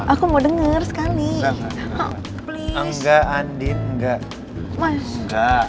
aku masih harus sembunyikan masalah lo andin dari mama